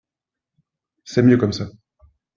C’est mieux comme ça